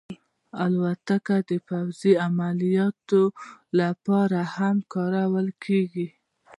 الوتکه د پوځي عملیاتو لپاره هم کارول کېږي.